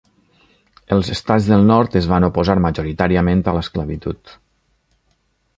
Els estats del nord es van oposar majoritàriament a l'esclavitud.